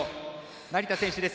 成田実生選手です。